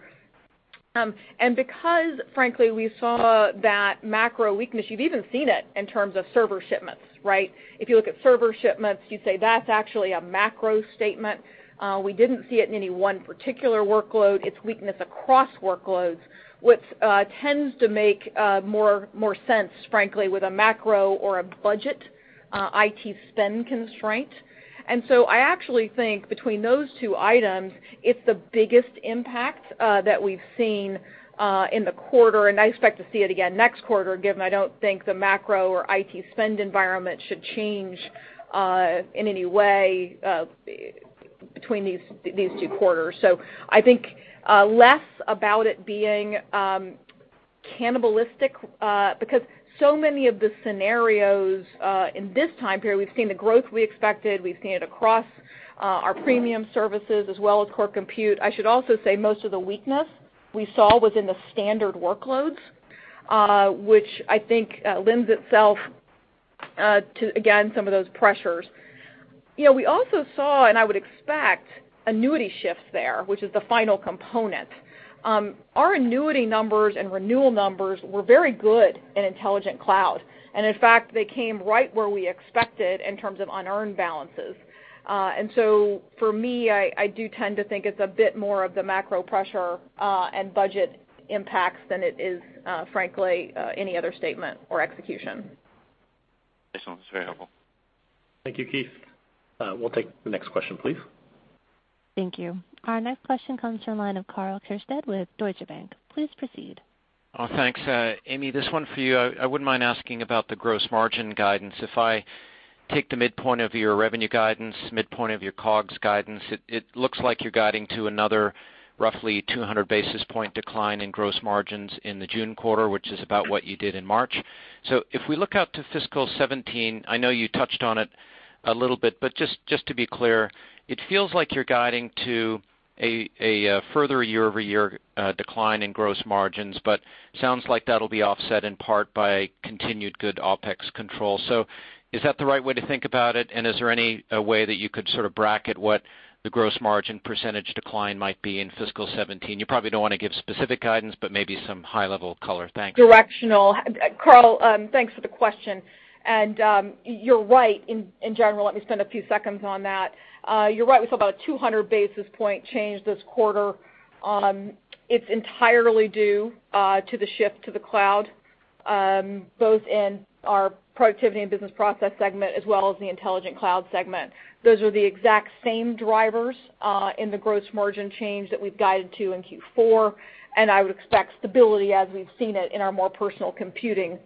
Because frankly, we saw that macro weakness, you've even seen it in terms of server shipments, right? If you look at server shipments, you'd say that's actually a macro statement. We didn't see it in any one particular workload. It's weakness across workloads, which tends to make more sense, frankly, with a macro or a budget IT spend constraint. I actually think between those two items, it's the biggest impact that we've seen in the quarter, and I expect to see it again next quarter, given I don't think the macro or IT spend environment should change in any way between these two quarters. I think less about it being cannibalistic, because so many of the scenarios in this time period, we've seen the growth we expected, we've seen it across our premium services as well as core compute. I should also say most of the weakness we saw was in the standard workloads, which I think lends itself to, again, some of those pressures. We also saw, and I would expect, annuity shifts there, which is the final component. Our annuity numbers and renewal numbers were very good in Intelligent Cloud. In fact, they came right where we expected in terms of unearned balances. For me, I do tend to think it's a bit more of the macro pressure and budget impacts than it is, frankly, any other statement or execution. Thanks. That's very helpful. Thank you, Keith. We'll take the next question, please. Thank you. Our next question comes from the line of Karl Keirstead with Deutsche Bank. Please proceed. Thanks. Amy, this one for you. I wouldn't mind asking about the gross margin guidance. If I take the midpoint of your revenue guidance, midpoint of your COGS guidance, it looks like you're guiding to another roughly 200 basis point decline in gross margins in the June quarter, which is about what you did in March. If we look out to fiscal 2017, I know you touched on it a little bit, but just to be clear, it feels like you're guiding to a further year-over-year decline in gross margins, but sounds like that'll be offset in part by continued good OpEx control. Is that the right way to think about it, and is there any way that you could sort of bracket what the gross margin percentage decline might be in fiscal 2017? You probably don't want to give specific guidance, but maybe some high-level color. Thanks. Karl, thanks for the question. You're right, in general. Let me spend a few seconds on that. You're right, we saw about a 200 basis point change this quarter. It's entirely due to the shift to the cloud, both in our productivity and business process segment as well as the intelligent cloud segment. Those are the exact same drivers in the gross margin change that we've guided to in Q4. I would expect stability as we've seen it in our more personal computing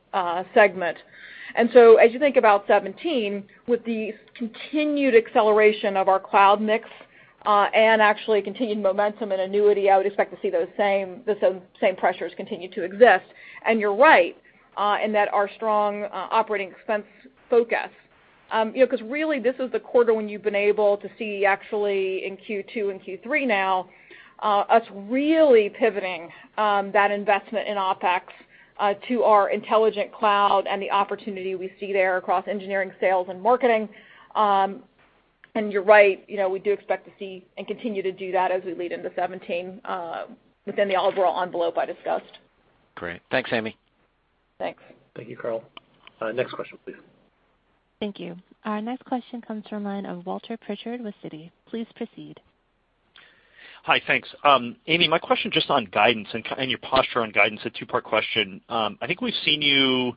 segment. As you think about 2017, with the continued acceleration of our cloud mix, and actually continued momentum and annuity, I would expect to see those same pressures continue to exist. You're right in that our strong operating expense focus, because really this is the quarter when you've been able to see actually in Q2 and Q3 now, us really pivoting that investment in OpEx to our Intelligent Cloud and the opportunity we see there across engineering, sales, and marketing. You're right, we do expect to see and continue to do that as we lead into 2017 within the overall envelope I discussed. Great. Thanks, Amy. Thanks. Thank you, Karl. Next question, please. Thank you. Our next question comes from the line of Walter Pritchard with Citi. Please proceed. Hi, thanks. Amy, my question just on guidance and your posture on guidance, a two-part question. I think we've seen you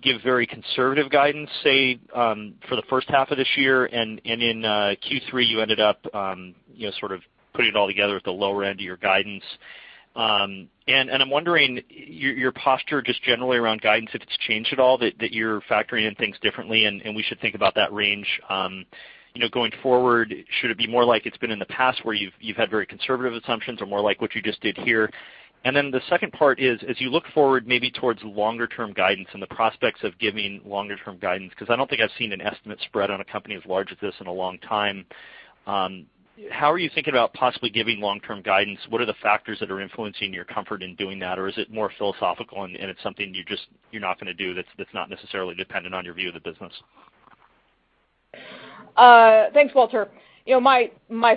give very conservative guidance, say, for the first half of this year, and in Q3 you ended up sort of putting it all together at the lower end of your guidance. I'm wondering your posture just generally around guidance, if it's changed at all, that you're factoring in things differently and we should think about that range going forward. Should it be more like it's been in the past where you've had very conservative assumptions or more like what you just did here? Then the second part is, as you look forward maybe towards longer-term guidance and the prospects of giving longer-term guidance, because I don't think I've seen an estimate spread on a company as large as this in a long time, how are you thinking about possibly giving long-term guidance? What are the factors that are influencing your comfort in doing that? Or is it more philosophical and it's something you're not going to do that's not necessarily dependent on your view of the business? Thanks, Walter. My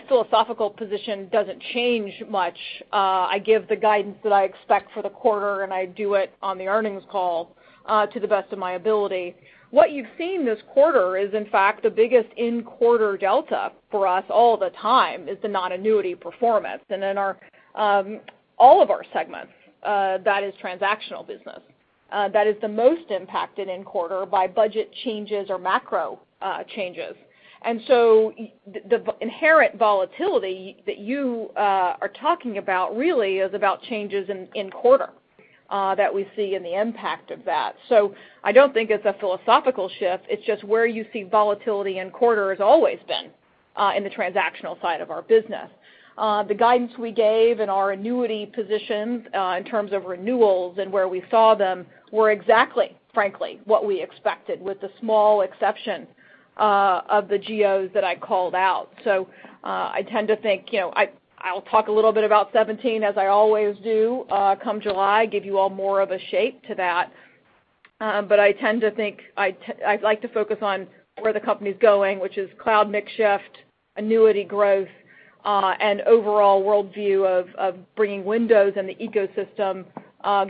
philosophical position doesn't change much. I give the guidance that I expect for the quarter, and I do it on the earnings call to the best of my ability. What you've seen this quarter is, in fact, the biggest in-quarter delta for us all the time is the non-annuity performance. In all of our segments, that is transactional business. That is the most impacted in quarter by budget changes or macro changes. The inherent volatility that you are talking about really is about changes in quarter that we see and the impact of that. I don't think it's a philosophical shift, it's just where you see volatility in quarter has always been in the transactional side of our business. The guidance we gave and our annuity positions in terms of renewals and where we saw them were exactly, frankly, what we expected with the small exception of the geos that I called out. I tend to think I'll talk a little bit about 2017 as I always do come July, give you all more of a shape to that. I tend to think I'd like to focus on where the company's going, which is cloud mix shift, annuity growth, and overall worldview of bringing Windows and the ecosystem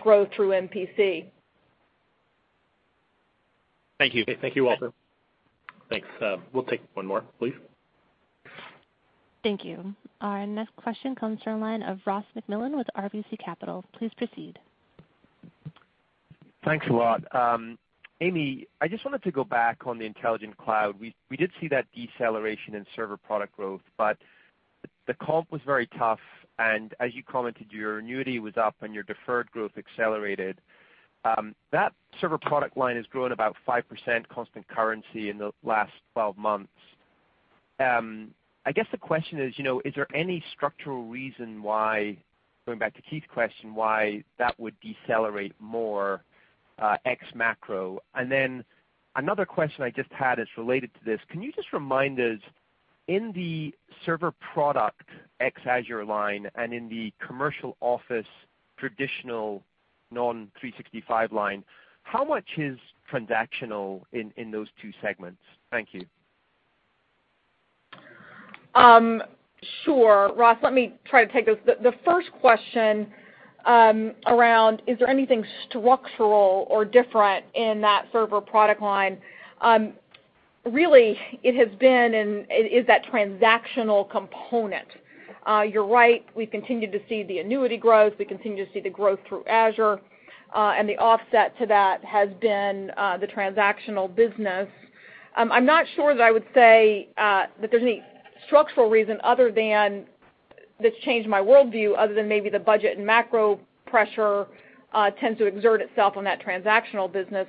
growth through MPC. Thank you. Thank you, Walter. Thanks. We'll take one more, please. Thank you. Our next question comes from the line of Ross MacMillan with RBC Capital. Please proceed. Thanks a lot. Amy, I just wanted to go back on the intelligent cloud. We did see that deceleration in server product growth, but the comp was very tough, and as you commented, your annuity was up and your deferred growth accelerated. That server product line has grown about 5% constant currency in the last 12 months. I guess the question is there any structural reason why, going back to Keith's question, why that would decelerate more ex macro? And then another question I just had is related to this. Can you just remind us, in the server product ex Azure line and in the commercial Office traditional non-365 line, how much is transactional in those two segments? Thank you. Sure, Ross. Let me try to take those. The first question around is there anything structural or different in that server product line? Really, it has been and it is that transactional component. You're right, we continue to see the annuity growth, we continue to see the growth through Azure, and the offset to that has been the transactional business. I'm not sure that I would say that there's any structural reason that's changed my worldview other than maybe the budget and macro pressure tends to exert itself on that transactional business.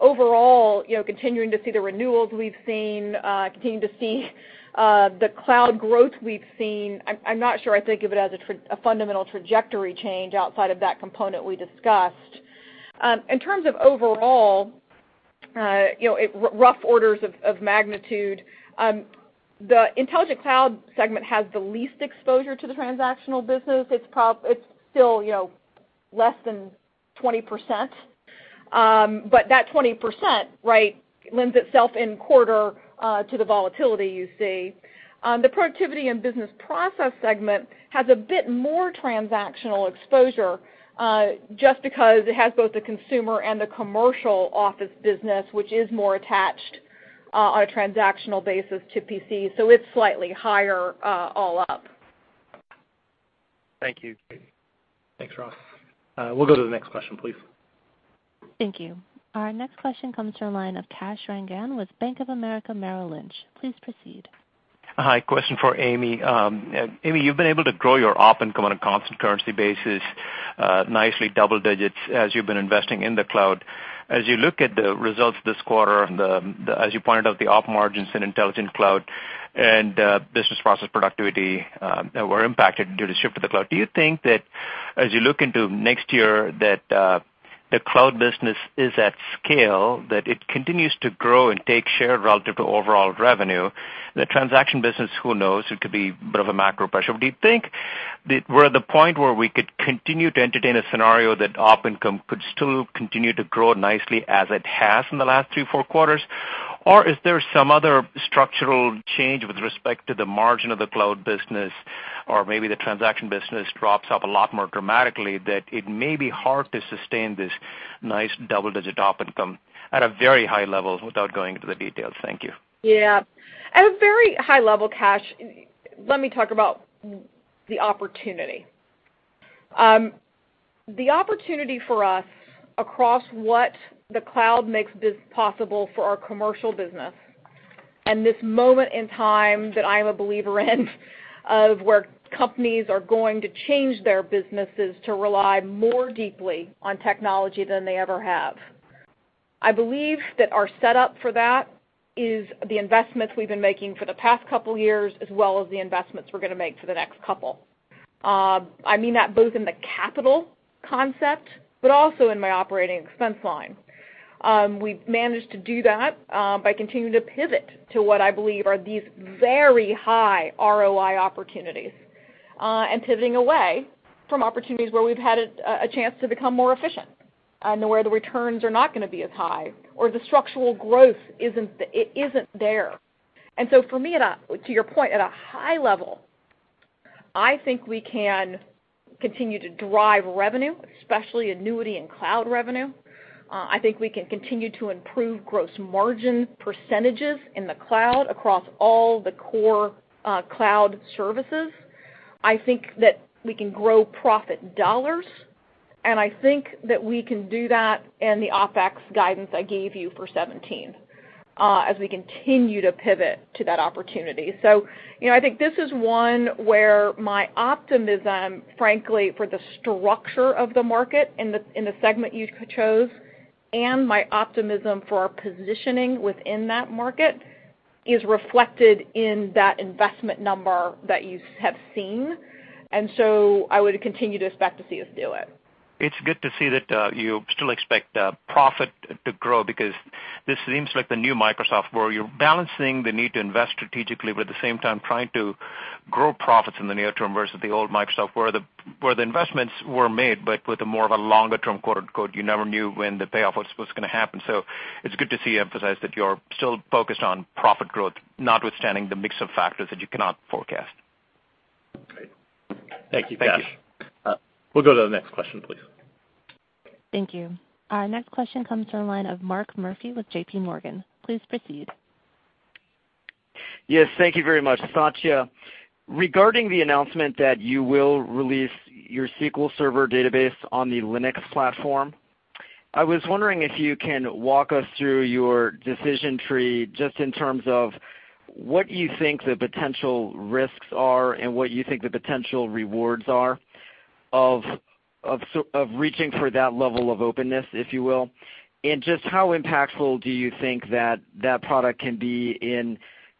Overall, continuing to see the renewals we've seen, continuing to see the cloud growth we've seen, I'm not sure I think of it as a fundamental trajectory change outside of that component we discussed. In terms of overall, rough orders of magnitude, the Intelligent Cloud segment has the least exposure to the transactional business. It's still less than 20%, that 20% lends itself in quarter to the volatility you see. The Productivity and Business Processes segment has a bit more transactional exposure, just because it has both the consumer and the commercial Office business, which is more attached on a transactional basis to PC. It's slightly higher all up. Thank you. Thanks, Ross. We'll go to the next question, please. Thank you. Our next question comes from the line of Kash Rangan with Bank of America Merrill Lynch. Please proceed. Hi, question for Amy. Amy, you've been able to grow your op income on a constant currency basis, nicely double digits as you've been investing in the cloud. As you look at the results this quarter, as you pointed out, the op margins in Intelligent Cloud and Business Process Productivity were impacted due to shift to the cloud. Do you think that as you look into next year, that the cloud business is at scale, that it continues to grow and take share relative to overall revenue? The transaction business, who knows, it could be a bit of a macro pressure. Do you think we're at the point where we could continue to entertain a scenario that op income could still continue to grow nicely as it has in the last three, four quarters? Is there some other structural change with respect to the margin of the cloud business, or maybe the transaction business drops off a lot more dramatically that it may be hard to sustain this nice double-digit op income at a very high level without going into the details? Thank you. Yeah. At a very high level, Kash, let me talk about the opportunity. The opportunity for us across what the cloud makes possible for our commercial business, and this moment in time that I'm a believer in, of where companies are going to change their businesses to rely more deeply on technology than they ever have. I believe that our setup for that is the investments we've been making for the past couple years, as well as the investments we're going to make for the next couple. I mean that both in the capital concept, but also in my operating expense line. We've managed to do that by continuing to pivot to what I believe are these very high ROI opportunities, pivoting away from opportunities where we've had a chance to become more efficient and where the returns are not going to be as high or the structural growth isn't there. For me, to your point, at a high level, I think we can continue to drive revenue, especially annuity and cloud revenue. I think we can continue to improve gross margin % in the cloud across all the core cloud services. I think that we can grow profit dollars, and I think that we can do that in the OpEx guidance I gave you for 2017, as we continue to pivot to that opportunity. I think this is one where my optimism, frankly, for the structure of the market in the segment you chose and my optimism for our positioning within that market is reflected in that investment number that you have seen. I would continue to expect to see us do it. It's good to see that you still expect profit to grow because this seems like the new Microsoft, where you're balancing the need to invest strategically, but at the same time trying to grow profits in the near term, versus the old Microsoft where the investments were made, but with a more of a longer-term, quote, unquote, "You never knew when the payoff was going to happen." It's good to see emphasized that you're still focused on profit growth, notwithstanding the mix of factors that you cannot forecast. Great. Thank you, Kash. Thank you. We'll go to the next question, please. Thank you. Our next question comes from the line of Mark Murphy with JPMorgan. Please proceed. Yes, thank you very much. Satya, regarding the announcement that you will release your SQL Server database on the Linux platform, I was wondering if you can walk us through your decision tree, just in terms of what you think the potential risks are and what you think the potential rewards are of reaching for that level of openness, if you will. Just how impactful do you think that that product can be in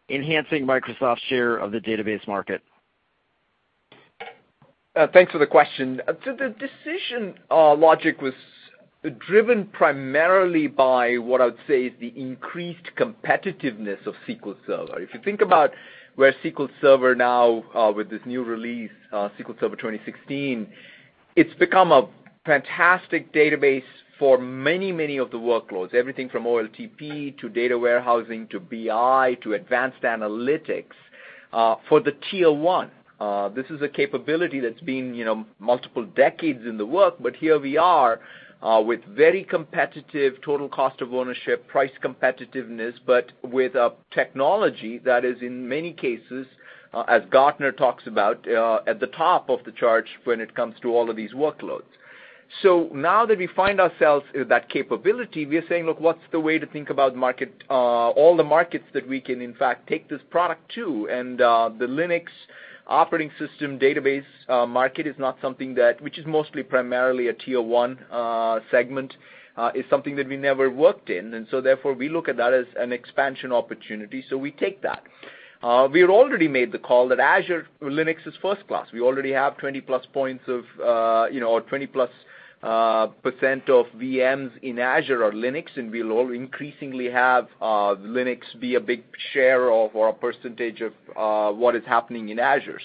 enhancing Microsoft's share of the database market? Thanks for the question. The decision logic was driven primarily by what I would say is the increased competitiveness of SQL Server. If you think about where SQL Server now, with this new release, SQL Server 2016, it's become a fantastic database for many of the workloads, everything from OLTP to data warehousing, to BI, to advanced analytics. For the tier 1, this is a capability that's been multiple decades in the work, but here we are with very competitive total cost of ownership, price competitiveness, but with a technology that is, in many cases, as Gartner talks about, at the top of the charge when it comes to all of these workloads. Now that we find ourselves with that capability, we are saying, "Look, what's the way to think about all the markets that we can in fact take this product to?" The Linux operating system database market, which is mostly primarily a tier 1 segment, is something that we never worked in. Therefore, we look at that as an expansion opportunity, so we take that. We already made the call that Azure Linux is first class. We already have 20-plus% of VMs in Azure are Linux, and we'll increasingly have Linux be a big share of, or a percentage of, what is happening in Azure.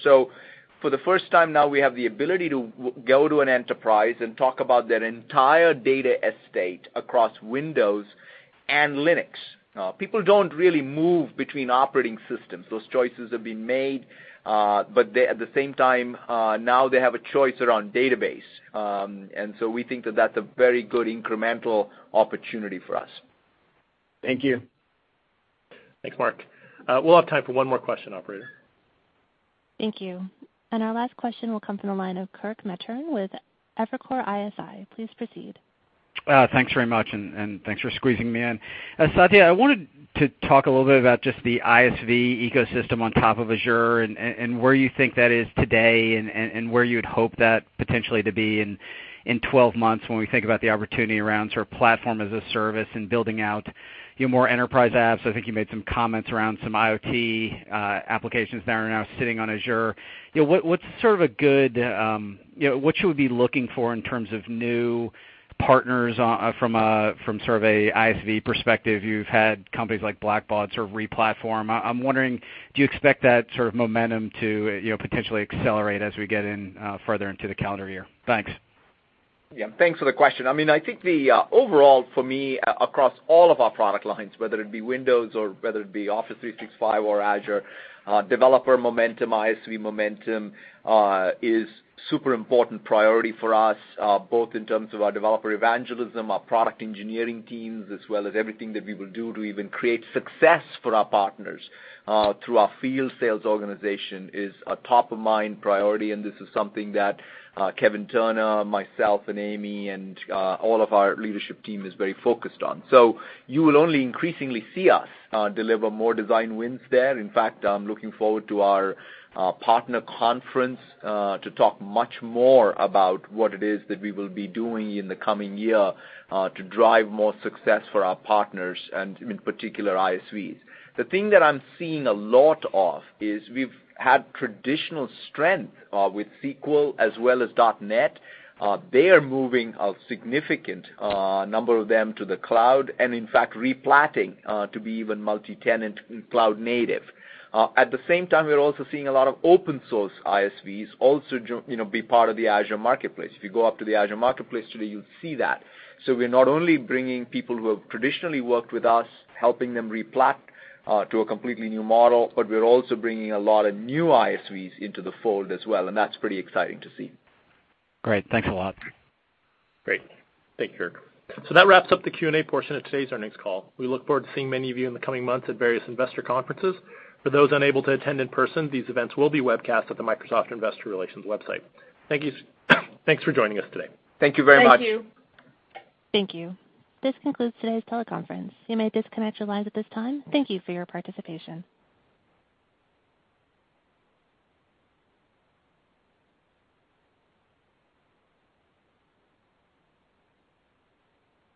For the first time now, we have the ability to go to an enterprise and talk about their entire data estate across Windows and Linux. People don't really move between operating systems. Those choices have been made. At the same time, now they have a choice around database. We think that that's a very good incremental opportunity for us. Thank you. Thanks, Mark. We'll have time for one more question, operator. Thank you. Our last question will come from the line of Kirk Materne with Evercore ISI. Please proceed. Thanks very much, and thanks for squeezing me in. Satya, I wanted to talk a little bit about just the ISV ecosystem on top of Azure, and where you think that is today, and where you'd hope that potentially to be in 12 months when we think about the opportunity around platform as a service and building out more enterprise apps. I think you made some comments around some IoT applications that are now sitting on Azure. What should we be looking for in terms of new partners from an ISV perspective? You've had companies like Blackbaud re-platform. I'm wondering, do you expect that momentum to potentially accelerate as we get further into the calendar year? Thanks. Yeah. Thanks for the question. I think the overall for me, across all of our product lines, whether it be Windows or whether it be Office 365 or Azure, developer momentum, ISV momentum is super important priority for us, both in terms of our developer evangelism, our product engineering teams, as well as everything that we will do to even create success for our partners through our field sales organization, is a top-of-mind priority, and this is something that Kevin Turner, myself, and Amy, and all of our leadership team is very focused on. You will only increasingly see us deliver more design wins there. In fact, I'm looking forward to our partner conference to talk much more about what it is that we will be doing in the coming year to drive more success for our partners, and in particular, ISVs. The thing that I am seeing a lot of is we have had traditional strength with SQL as well as .NET. They are moving a significant number of them to the cloud, and in fact, replatting to be even multi-tenant cloud native. At the same time, we are also seeing a lot of open source ISVs also be part of the Azure Marketplace. If you go up to the Azure Marketplace today, you will see that. So we are not only bringing people who have traditionally worked with us, helping them replat to a completely new model, but we are also bringing a lot of new ISVs into the fold as well, and that is pretty exciting to see. Great. Thanks a lot. Great. Thank you, Kirk. So that wraps up the Q&A portion of today's earnings call. We look forward to seeing many of you in the coming months at various investor conferences. For those unable to attend in person, these events will be webcast at the Microsoft Investor Relations website. Thanks for joining us today. Thank you very much. Thank you. This concludes today's teleconference. You may disconnect your lines at this time. Thank you for your participation.